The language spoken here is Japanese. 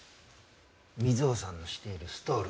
美津保さんのしているストール。